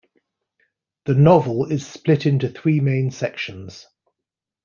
The novel is split into three main sections.